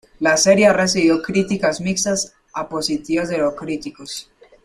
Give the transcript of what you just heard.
La serie ha recibido críticas mixtas a positivas de los críticos.